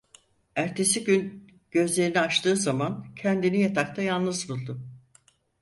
Ertesi gün gözlerini açtığı zaman kendini yatakta yalnız buldu.